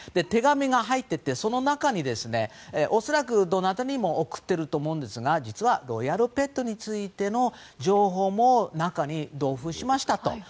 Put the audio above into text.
手紙が入っていてその中に恐らく、どなたにも送ってると思うんですが実はロイヤルペットについての情報も中に同封しましたと。